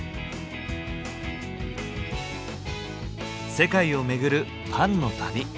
世界を巡るパンの旅。